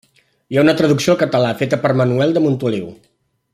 Hi ha una traducció al català feta per Manuel de Montoliu.